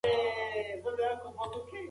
تاسو کولای شئ نړۍ ته بدلون ورکړئ.